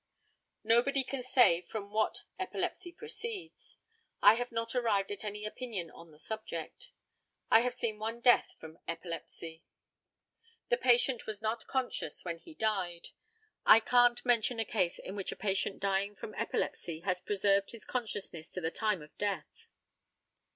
Nobody can say from what epilepsy proceeds. I have not arrived at any opinion on the subject. I have seen one death from epilepsy. The patient was not conscious when he died. I can't mention a case in which a patient dying from epilepsy has preserved his consciousness to the time of death.